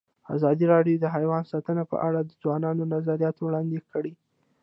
ازادي راډیو د حیوان ساتنه په اړه د ځوانانو نظریات وړاندې کړي.